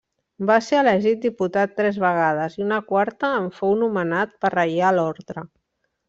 Va ser elegit diputat tres vegades, i una quarta en fou nomenat per reial ordre.